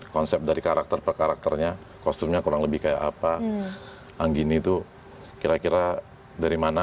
konsep dari karakter prayer orangnya kostumnya kurang lebih kayak apa anggih itu kira kira sebagaimana